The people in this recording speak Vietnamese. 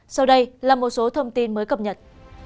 sau đây là một số thông tin mới cập nhật